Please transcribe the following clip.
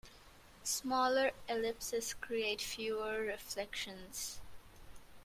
Smaller ellipses create fewer reflections.